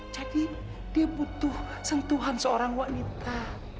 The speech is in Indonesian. jadi dia butuh sentuhan seorang wanita